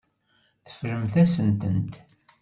Teffremt-asen-tent.